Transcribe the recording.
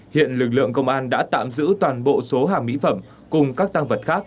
hiện lực lượng công an đã tạm giữ toàn bộ số hàng mỹ phẩm cùng các tăng vật khác